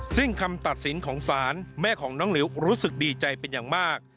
ซึ่งคำตัดสินของศาลแม่ของน้องหลิวรู้สึกดีใจเป็นอย่างมาก